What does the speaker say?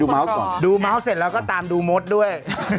ดูเมาส์สิบเมตรเสร็จแล้วก็ตามดูมดด้วย